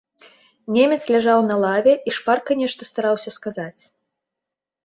Немец ляжаў на лаве і шпарка нешта стараўся сказаць.